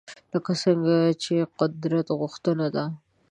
لکه څنګه چې قدرت غوښتنه ده